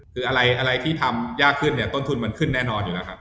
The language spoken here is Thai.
คืออะไรที่ทำยากขึ้นเนี่ยต้นทุนมันขึ้นแน่นอนอยู่แล้วครับ